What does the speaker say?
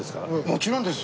もちろんです。